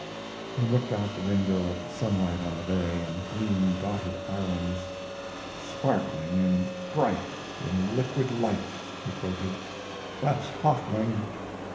He looked out the window at the sunlight on the bay and green dotted islands. "'Sparkling and bright in the liquid light,'" he quoted. "That's Hoffman.